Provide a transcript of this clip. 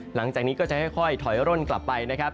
หลังจากนี้ก็จะค่อยถอยร่นกลับไปนะครับ